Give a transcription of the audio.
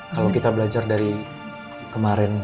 kalau kita belajar dari kemarin